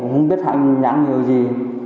không biết hành nhãn nhiều gì